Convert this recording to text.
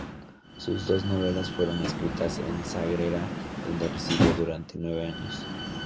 Sus dos novelas fueron escritas en Sagrera, donde residió durante nueve años.